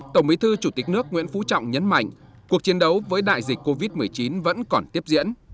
tổng bí thư chủ tịch nước nguyễn phú trọng nhấn mạnh cuộc chiến đấu với đại dịch covid một mươi chín vẫn còn tiếp diễn